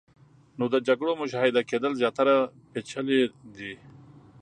نو د جګړو مشاهده کېدل زیاتره پیچلې دي.